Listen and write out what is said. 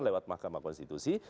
lewat mahkamah konstitusi